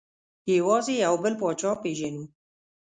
یوازې یو بل پاچا پېژنو.